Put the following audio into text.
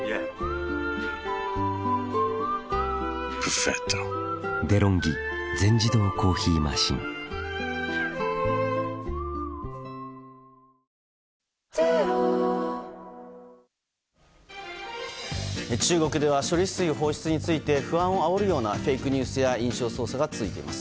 きっと中国では、処理水放出について不安をあおるようなフェイクニュースや印象操作が続いています。